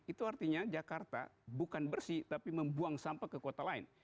itu artinya jakarta bukan bersih tapi membuang sampah ke kota lain